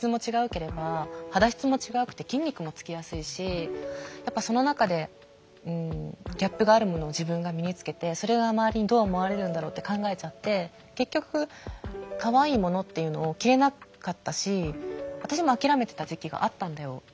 ければ肌質も違くて筋肉もつきやすいしやっぱその中でギャップがあるものを自分が身に着けてそれが周りにどう思われるんだろうって考えちゃって結局かわいいものっていうのを着れなかったし私も諦めてた時期があったんだよ。